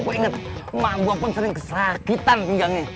gua inget emak gue pun sering kesakitan pinggangnya